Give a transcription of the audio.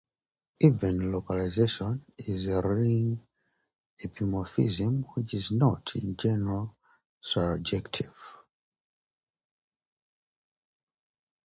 Every localization is a ring epimorphism, which is not, in general, surjective.